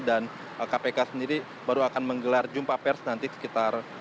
dan kpk sendiri baru akan menggelar jumpa pers nanti sekitar sore atau malam nanti